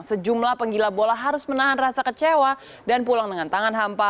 sejumlah penggila bola harus menahan rasa kecewa dan pulang dengan tangan hampa